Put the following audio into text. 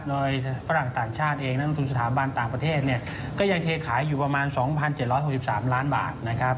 โดยฝรั่งต่างชาติเองนักลงทุนสถาบันต่างประเทศเนี่ยก็ยังเทขายอยู่ประมาณ๒๗๖๓ล้านบาทนะครับ